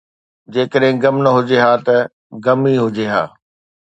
جيڪڏهن غم نه هجي ها ته غم ئي هجي ها